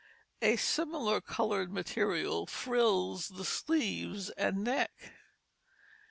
A similar colored material frills the sleeves and neck.